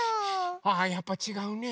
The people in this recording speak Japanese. ああやっぱちがうね。